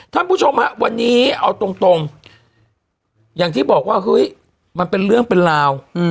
ท่านผู้ชมครับวันนี้เอาตรงอย่างที่บอกว่ามันเป็นเรื่องเป็นราว